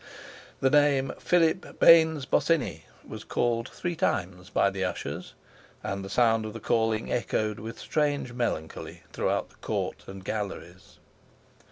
The name Philip Baynes Bosinney was called three times by the Ushers, and the sound of the calling echoed with strange melancholy throughout the Court and Galleries.